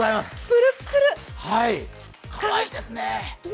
かわいいですね。